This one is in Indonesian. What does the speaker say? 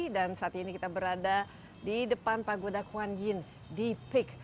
dan saat ini kita berada di depan pagoda kuan yin di peak